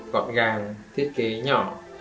gọn gàng thiết kế nhỏ